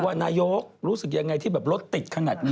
ว่านายกรู้สึกอย่างไรที่รถติดขนาดนี้